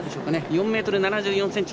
４ｍ７４ｃｍ。